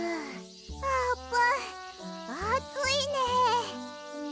あーぷんあついねえ。